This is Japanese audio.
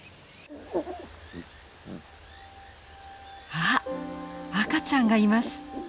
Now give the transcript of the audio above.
あっ赤ちゃんがいます。